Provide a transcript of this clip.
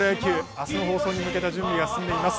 明日の放送に向けた準備が進んでいます。